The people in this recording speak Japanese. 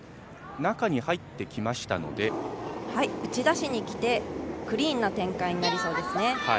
中に入ってきましたので打ち出しにきてクリーンな展開になりそうですね。